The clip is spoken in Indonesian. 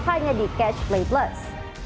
hanya di catch play plus